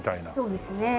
そうですね。